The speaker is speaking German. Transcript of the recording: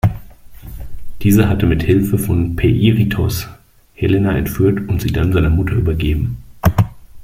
Dieser hatte mit Hilfe von Peirithoos Helena entführt und sie dann seiner Mutter übergeben.